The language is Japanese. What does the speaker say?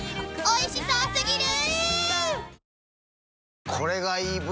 おいしそう過ぎる］